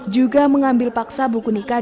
juga mengambil paksa buku nikah